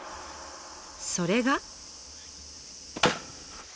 それが。